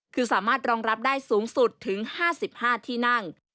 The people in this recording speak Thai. คือสามารถรองรับได้สูงสุดถึง๕๕ที่นั่ง